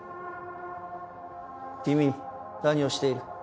君何をしている？